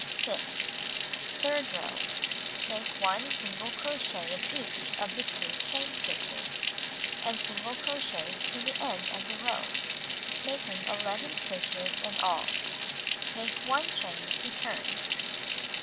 6. Third row: Make 1 single crochet in each of the two chain stitches, and single crochets to the end of the row, making II stitches in all. Make 1 chain to turn.